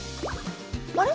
あれ？